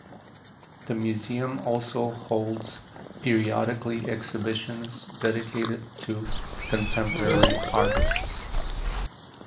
The museum also holds periodically exhibitions dedicated to contemporary artists.